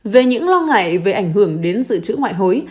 về những lo ngại về ảnh hưởng đến dự trữ ngoại hối